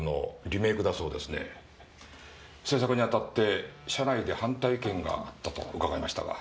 制作にあたって社内で反対意見があったと伺いましたが。